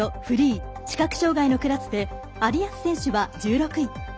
ｋｍフリー視覚障がいのクラスで有安選手は１６位。